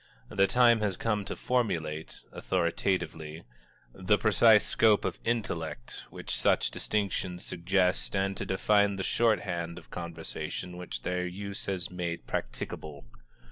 The time has come to formulate, authoritatively, the precise scope of intellect which such distinctions suggest and to define the shorthand of conversation which their use has made practicable.